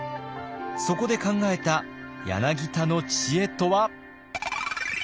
そこで考えた柳田の知恵とは。